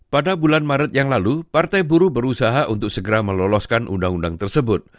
pada bulan maret yang lalu partai buruh berusaha untuk segera meloloskan undang undang tersebut